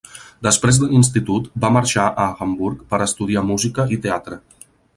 Després de l'institut va marxar a Hamburg per estudiar música i teatre.